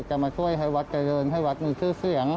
มาช่วยให้วัดเจริญให้วัดมีชื่อเสียง